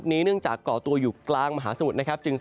นี่เนื่องจากกรตัวอยู่กลางมาหาสมุดนะครับ